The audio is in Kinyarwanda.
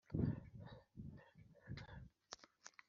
cyane Mu mpera z umwaka wa mbere